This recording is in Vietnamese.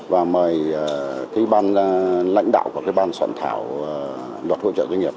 và mời cái ban lãnh đạo của cái ban soạn thảo luật hỗ trợ doanh nghiệp